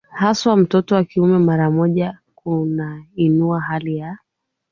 haswa mtoto wa kiume mara moja kunainua hali ya